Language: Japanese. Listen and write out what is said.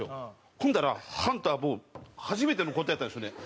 ほんだらハンターも初めての事やったんでしょうね。